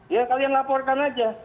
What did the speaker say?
ya kalian laporkan aja